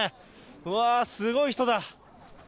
うわー、すごい人だ。